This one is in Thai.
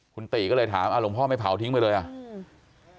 คุณติก็เลยถามอ่าหลวงพ่อไม่เผาทิ้งไปเลยอ่ะอืม